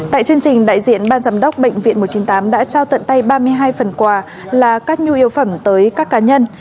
tại chương trình đại diện ban giám đốc bệnh viện một trăm chín mươi tám đã trao tận tay ba mươi hai phần quà là các nhu yếu phẩm tới các cá nhân